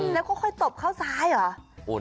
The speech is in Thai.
แล้วค่อยตบเข้าซ้ายเหรอ